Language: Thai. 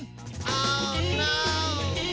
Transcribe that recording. อ้าวน้าว